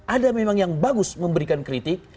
ada memang yang bagus memberikan kritik